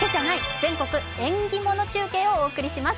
全国縁起物中継」をお送りします。